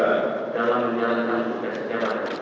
dalam menjalankan tugas sejabat